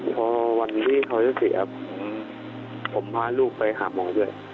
พอวันที่เขาจะเสียผมพาลูกไปหาหมอด้วย